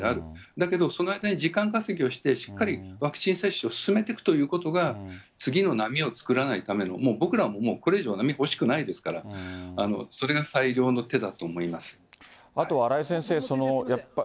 だけど、その間に時間稼ぎをして、しっかりワクチン接種を進めていくということが、次の波を作らないための、もう僕らももうこれ以上波は欲しくないですから、あと荒井先生。